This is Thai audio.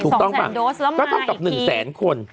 ถูกต้องป่ะก็ต้องจับ๑แสนคนถูกต้องป่ะก็ต้องจับ๑แสนคน